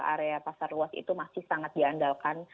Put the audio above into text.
area pasar luas itu masih sangat diandalkan